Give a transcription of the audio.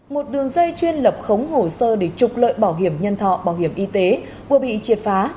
một đường dây chuyên lập khống hồ sơ để trục lợi bảo hiểm nhân thọ bảo hiểm y tế vừa bị triệt phá